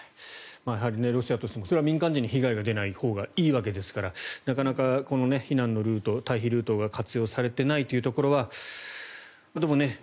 ロシアとしても民間人に被害が出ないほうがいいわけですから、なかなか避難のルート、退避ルートが活用されていないというところはね。